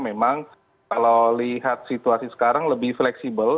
memang kalau lihat situasi sekarang lebih fleksibel